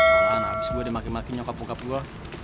salahan abis gue dimaki maki nyokap bokap gua